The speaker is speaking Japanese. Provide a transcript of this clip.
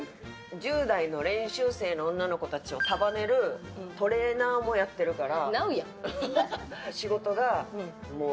１０代の練習生の女の子たちを束ねるトレーナーもやってるから。